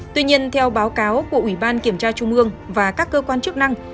tuy nhiên theo báo cáo của ủy ban kiểm tra trung ương và các cơ quan chức năng